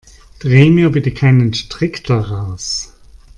Dreh mir bitte keinen Strick daraus.